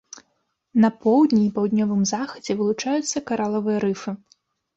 На поўдні і паўднёвым захадзе вылучаюцца каралавыя рыфы.